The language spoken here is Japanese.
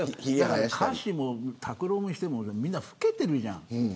歌詞も拓郎にしてもみんな老けてるじゃん。